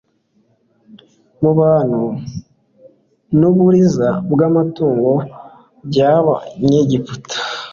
mu bantu, n'uburiza bw'amatungo by'abanyegiputa.